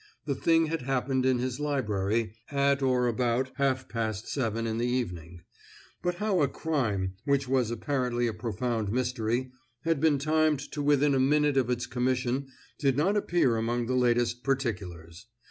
The thing had happened in his library, at or about half past seven in the evening; but how a crime, which was apparently a profound mystery, had been timed to within a minute of its commission did not appear among the latest particulars.